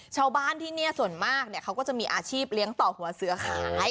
ชาวบ้านที่นี่ส่วนมากเขาก็จะมีอาชีพเลี้ยงต่อหัวเสือขาย